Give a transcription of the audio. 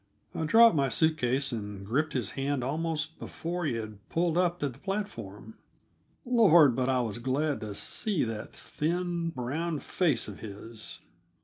I dropped my suit case and gripped his hand almost before he had pulled up at the platform. Lord! but I was glad to see that thin, brown face of his.